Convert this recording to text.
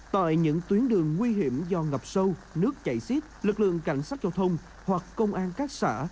tại những tuyến đường nguy hiểm do ngập sâu nước chảy xiết lực lượng cảnh sát giao thông hoặc công an các xã